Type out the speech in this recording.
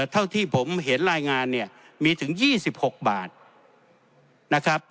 เท่าที่ผมเห็นรายงานเนี่ยมีถึง๒๖บาทนะครับ